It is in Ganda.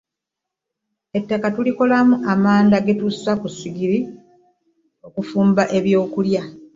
ettaka tulikolamu amanda getussa ku sigiru ikufumba eby'okulya